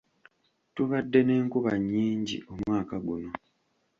Tubadde n'enkuba nnyingi omwaka guno.